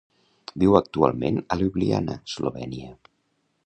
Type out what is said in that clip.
Viu actualment a Ljubljana, Slovenia.